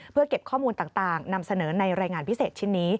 เพื่อเก็บข้อมูลต่างนำเสนอในรายงานพิเศษชิ้นนี้